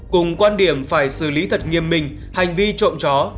cùng quan điểm phải xử lý thật nghiêm minh hành vi trộm chó